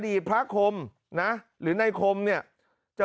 มีพฤติกรรมเสพเมถุนกัน